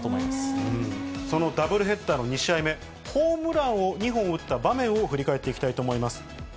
そのダブルヘッダーの２試合目、ホームランを２本打った場面を振り返っていきたいと思います。